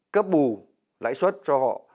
cấp bù lãi suất cho họ